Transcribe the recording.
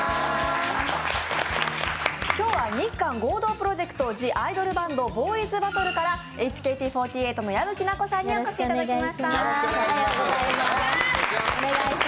今日は日韓合同プロジェクトＴＨＥＩＤＯＬＢＡＮＤ：ＢＯＹ’ＳＢＡＴＴＬＥからＨＫＴ４８の矢吹奈子さんにお越しいただきました。